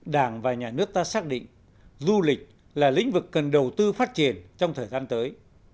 đảng và nhà nước ta xác định du lịch là lĩnh vực cần đầu tư phát triển trong thời gian tới